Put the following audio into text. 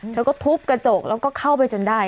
เธอก็ทุบกระจกแล้วก็เข้าไปจนได้